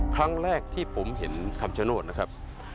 ครั้งแรกที่ผมเห็นคำชโนธนะครับ